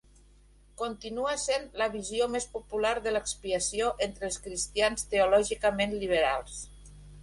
Continua sent la visió més popular de l'expiació entre els cristians teològicament liberals.